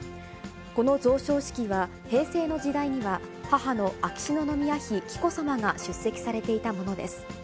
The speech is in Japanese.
この贈賞式は、平成の時代には、母の秋篠宮妃紀子さまが出席されていたものです。